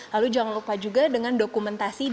lalu jangan lupa juga dengan dokumentasi